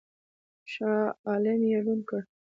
شاه عالم یې ړوند کړ.